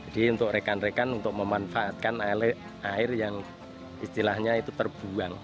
jadi untuk rekan rekan untuk memanfaatkan air yang istilahnya itu terbuang